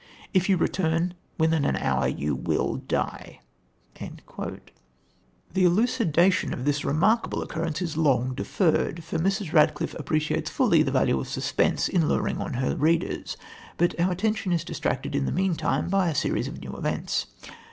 If you return within an hour you will die." The elucidation of this remarkable occurrence is long deferred, for Mrs. Radcliffe appreciates fully the value of suspense in luring on her readers, but our attention is distracted in the meantime by a series of new events.